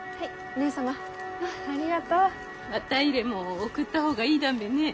綿入れも送った方がいいだんべねぇ。